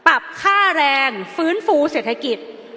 ปรับค่าแรงฟื้นฟูเศรษฐกิจ